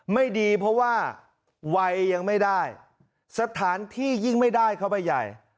ไม่ดีเพราะว่าวัยยังไม่ได้สถานที่ยิ่งไม่ได้เข้าไปใหญ่